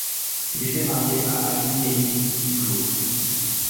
Il était marié à Aline-Emilie Duclos.